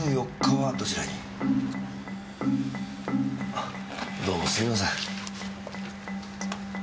あどうもすいません。